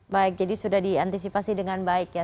baik jadi sudah diantisipasi dengan baik ya